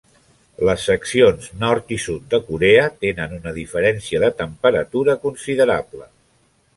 Les seccions nord i sud de Corea tenen una diferència de temperatura considerable.